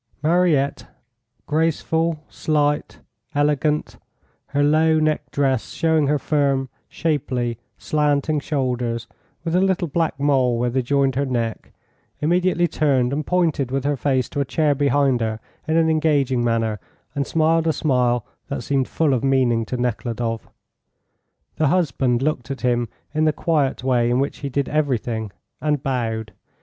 Mariette, graceful, slight, elegant, her low necked dress showing her firm, shapely, slanting shoulders, with a little black mole where they joined her neck, immediately turned, and pointed with her face to a chair behind her in an engaging manner, and smiled a smile that seemed full of meaning to Nekhludoff. The husband looked at him in the quiet way in which he did everything, and bowed.